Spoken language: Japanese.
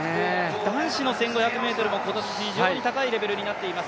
男子の１５００ｍも今年非常に高いレベルになっています。